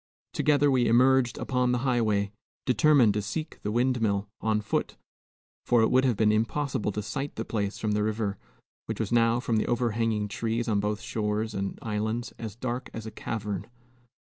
Together we emerged upon the highway, determined to seek the windmill on foot; for it would have been impossible to sight the place from the river, which was now, from the overhanging trees on both shores and islands, as dark as a cavern.